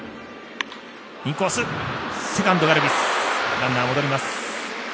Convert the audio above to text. ランナー、戻ります。